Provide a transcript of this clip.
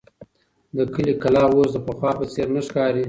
د کلي کلا اوس د پخوا په څېر نه ښکاري.